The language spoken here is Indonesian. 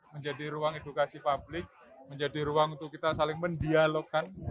menjadi ruang edukasi publik menjadi ruang untuk kita saling mendialogkan